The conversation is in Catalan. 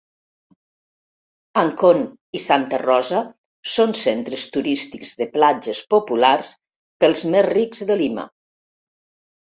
Ancón i Santa Rosa són centres turístics de platges populars pels més rics de Lima.